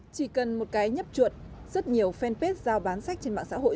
chỉ cần một cái nhấp chuột rất nhiều fanpage giao bán sách trên mạng xã hội